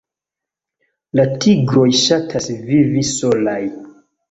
La tigroj ŝatas vivi solaj.